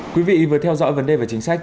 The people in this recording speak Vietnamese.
quý vị vừa theo dõi vấn đề về chính sách